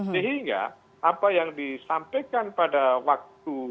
sehingga apa yang disampaikan pada waktu